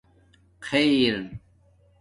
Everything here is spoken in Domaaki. خیر